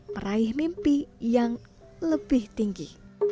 meraih mimpi yang lebih tinggi